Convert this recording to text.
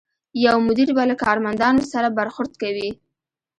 یو مدیر به له کارمندانو سره برخورد کوي.